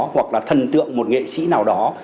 hoặc là thần tượng một nghệ sĩ nào đó